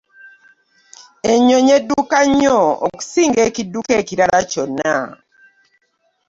Ennyonyi edduka nnyo okusinga ekidduka ekirala kyonna.